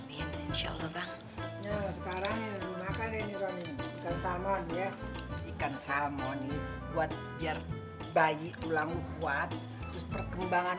insyaallah sekarang makan ini ikan salmon ya ikan salmon buat jarak bayi ulang kuat terus perkembangan